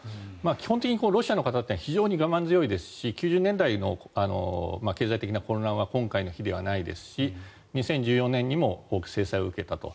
基本的にロシアの方というのは非常に我慢強いですし９０年代の経済的な混乱は今回の比ではないですし２０１４年にも制裁を受けたと。